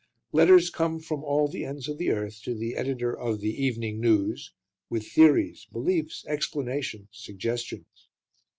Letters come from all the ends of the earth to the Editor of The Evening News with theories, beliefs, explanations, suggestions.